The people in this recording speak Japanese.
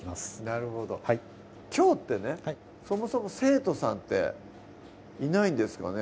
なるほどきょうってねそもそも生徒さんっていないんですかね？